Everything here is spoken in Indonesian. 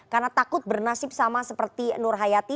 karena takut bernasib sama seperti nur hayati